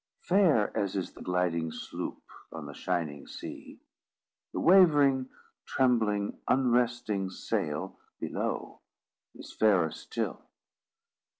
Fair as is the gliding sloop on the shining sea, the wavering, trembling, unresting sail below is fairer still.